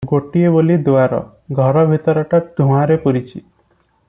ଗୋଟିଏ ବୋଲି ଦୁଆର, ଘର ଭିତରଟା ଧୂଆଁରେ ପୁରିଛି ।